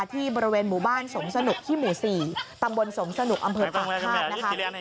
ที่บริเวณหมู่บ้านสมสนุกที่หมู่๔ตำบลสมสนุกอำเภอปากฆาตนะคะ